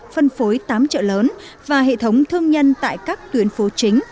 phân phối tám chợ lớn và hệ thống thương nhân tại các tuyến phố chính